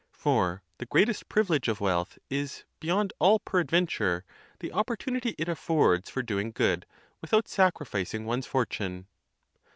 For the greatest privilege of wealth is, beyond all peradventure, the opportunity it affords for doing good, without sacri ficing one's fortune.